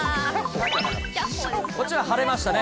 こちら、晴れましたね。